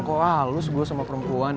kok halus gue sama perempuan